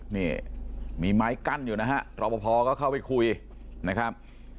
นี่มีไม้กั้นอยู่นะฮะรอปภก็เข้าไปคุยนะครับ